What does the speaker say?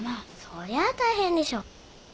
そりゃあ大変でしょ。